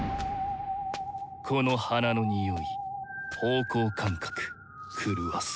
この花のにおい方向感覚狂わす。